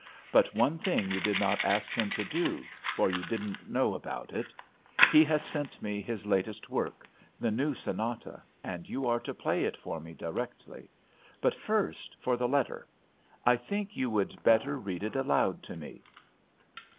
But one thing you did not ask him to do, for you didn't know about it. He has sent me his latest work, the new sonata, and you are to play it for me directly. But first for the letter; I think you would better read it aloud to me."